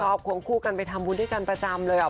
ควงคู่กันไปทำบุญด้วยกันประจำเลยอ่ะ